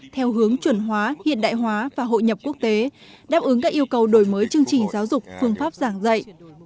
theo hướng chuẩn hóa hiện đại hóa và hội nhập quốc tế đáp ứng các yêu cầu đổi mới chương trình giáo dục phương pháp giảng dạy